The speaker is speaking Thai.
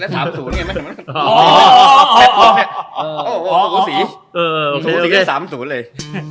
สูสีได้๓สูสเลย